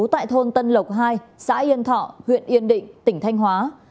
tại thôn tân lộc hai xã yên thọ huyện yên định tỉnh thanh hóa